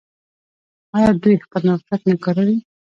آیا دوی خپل موقعیت نه کاروي؟